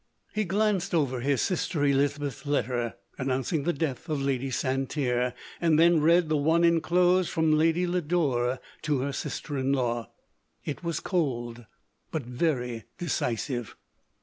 He glanced over his sister Elizabeth's letter, announcing the death of Lady Santerre, and then read the one enclosed from Ladv Lodore to her sister in law. It was cold, but very de cisive.